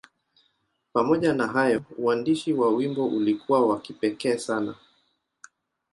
Pamoja na hayo, uandishi wa wimbo ulikuwa wa kipekee sana.